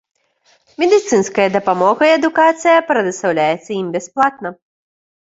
Медыцынская дапамога і адукацыя прадастаўляецца ім бясплатна.